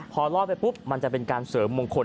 พอรอดไปปุ๊บมันจะเป็นการเสริมมงคล